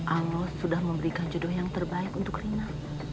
allah sudah memberikan judo yang terbaik untuk rina